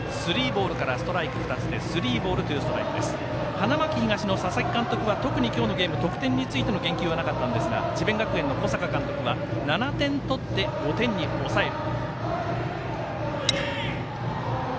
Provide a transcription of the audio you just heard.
花巻東の佐々木監督は特に今日のゲーム得点についての言及はなかったんですが智弁学園の小坂監督は７点取って５点に抑える。